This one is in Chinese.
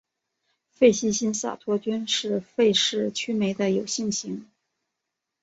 费希新萨托菌是费氏曲霉的有性型。